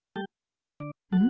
うん？